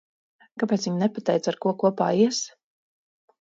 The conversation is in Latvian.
Kāpēc viņa nepateica, ar ko kopā ies?